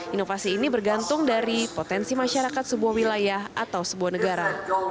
inovasi ini bergantung dari potensi masyarakat sebuah wilayah atau sebuah negara